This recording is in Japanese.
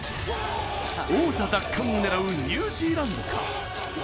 王座奪還を狙うニュージーランドか？